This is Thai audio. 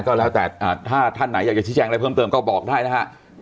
ก็แล้วแต่ถ้าท่านไหนอยากจะชี้แจงอะไรเพิ่มเติมก็บอกได้นะฮะ